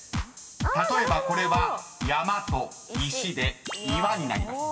［例えばこれは山と石で「岩」になります］